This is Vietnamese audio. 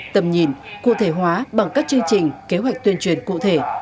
tầm nhìn cụ thể hóa bằng các chương trình kế hoạch tuyên truyền cụ thể